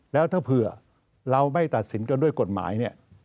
แล้วถ้าเผื่อเราไม่ตัดสินกันด้วยกฎหมายเนี่ย